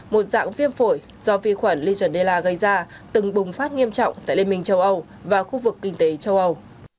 một dạng viêm phổi do vi khuẩn legionella gây ra từng bùng phát nghiêm trọng tại liên minh châu âu và khu vực kinh tế châu âu